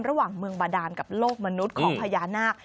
ระหว่างเมืองบาดานกับโลกมนุษย์ของพญานาค